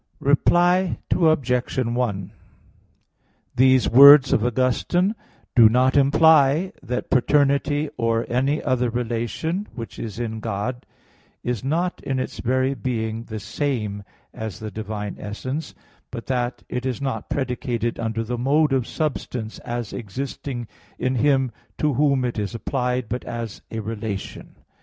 Reply Obj. 1: These words of Augustine do not imply that paternity or any other relation which is in God is not in its very being the same as the divine essence; but that it is not predicated under the mode of substance, as existing in Him to Whom it is applied; but as a relation.